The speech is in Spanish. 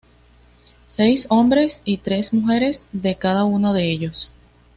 Seis hombres y tres mujeres de cada uno de ellos.